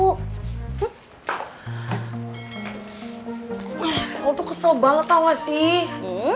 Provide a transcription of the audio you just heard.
kamu tuh kesel banget tau gak sih